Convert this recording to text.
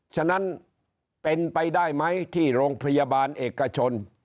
ฉะนั้นเป็นไปได้ไหมที่โรงพยาบาลเอกชน